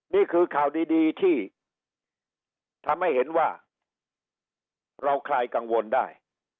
นี่คือข่าวดีที่ทำให้เห็นว่าเราคลายกังวลได้